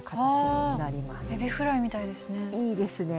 エビフライみたいですね。